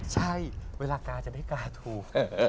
ใช่เวลากาจะได้กาถูก